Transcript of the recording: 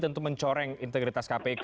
tentu mencoreng integritas kpk